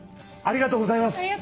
ありがとうございます。